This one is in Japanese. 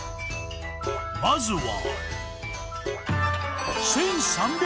まずは。